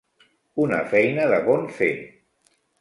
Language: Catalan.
Una feina de bon fer.